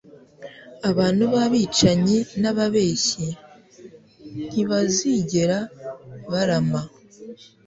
abantu b’abicanyi n’ababeshyi ntibazigera barama